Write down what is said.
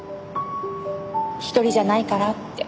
一人じゃないからって。